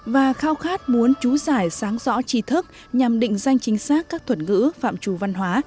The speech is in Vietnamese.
và khao khát muốn trú giải sáng rõ trí thức nhằm định danh chính xác các thuật ngữ phạm trù văn hóa